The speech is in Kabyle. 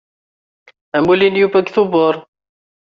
Amulli n Yuba deg Tubeṛ.